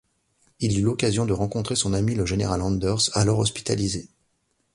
Il eut l'occasion de rencontrer son ami le général Anders, alors hospitalisé.